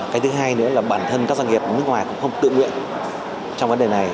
cái thứ hai nữa là bản thân các doanh nghiệp nước ngoài cũng không tự nguyện trong vấn đề này